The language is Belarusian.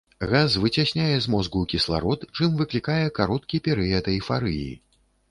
Газ выцясняе з мозгу кісларод, чым выклікае кароткі перыяд эйфарыі.